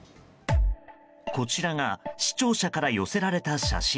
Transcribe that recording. こちらが視聴者から寄せられた写真。